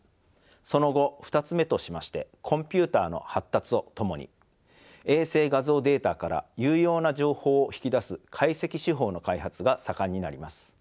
その後２つ目としましてコンピューターの発達とともに衛星画像データから有用な情報を引き出す解析手法の開発が盛んになります。